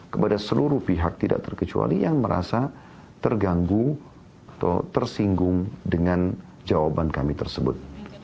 kepada seluruh pihak tidak terkecuali yang merasa terganggu atau tersinggung dengan jawaban kami tersebut